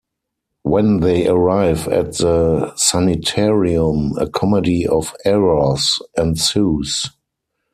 When they arrive at the sanitarium, a comedy of errors ensues.